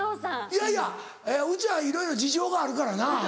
いやいやうちはいろいろ事情があるからな。